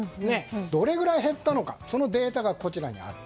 どれぐらい減ったのかそのデータがこちらにある。